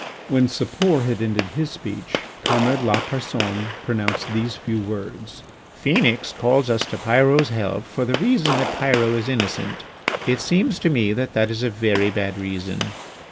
When Sapor had ended his speech comrade Lapersonne pronounced these few words: "Phœnix calls us to Pyrot's help for the reason that Pyrot is innocent. It seems to me that that is a very bad reason.